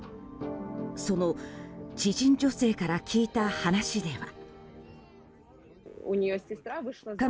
その知人女性から聞いた話では。